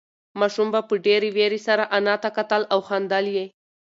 ماشوم په ډېرې وېرې سره انا ته کتل او خندل یې.